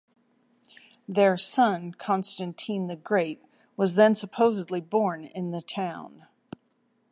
Their son, Constantine the Great was then supposedly born in the town.